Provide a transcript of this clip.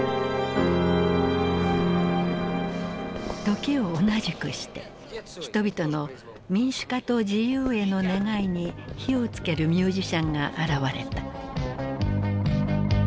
時を同じくして人々の民主化と自由への願いに火を付けるミュージシャンが現れた。